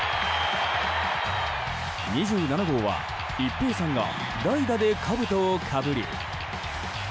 ２７号は一平さんが代打でかぶとをかぶり。